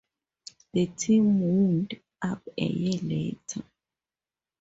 The team wound up a year later.